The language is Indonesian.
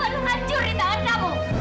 masa depan fadil hancur di tangan kamu